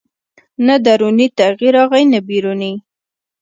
نه دروني تغییر راغی نه بیروني